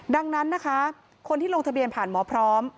ดังนั้นนะคะคนที่ลงทะเบียนผ่านหมอพร้อม